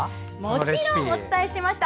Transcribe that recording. もちろんお伝えしました。